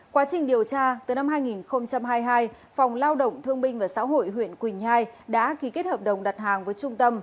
quá trình điều tra từ năm hai nghìn hai mươi hai phòng lao động thương minh và xã hội huyện quỳnh nhai đã ký kết hợp đồng đặt hàng với trung tâm